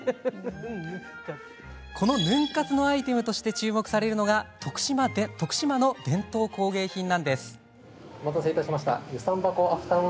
このヌン活のアイテムとして注目されるのが徳島の伝統工芸品なんです。